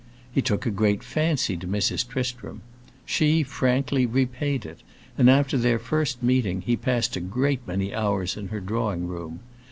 He took a great fancy to Mrs. Tristram; she frankly repaid it, and after their first meeting he passed a great many hours in her drawing room.